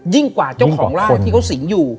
กว่าเจ้าของร่างที่เขาสิงอยู่